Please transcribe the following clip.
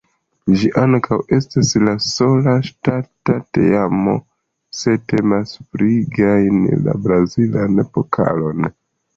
Ĝi ankaŭ estas la sola ŝtata teamo se temas pri gajni la Brazilan Pokalon.